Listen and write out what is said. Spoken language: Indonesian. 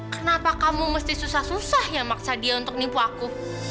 kenapa kamu mesti susah susah yang maksa dia untuk nipu aku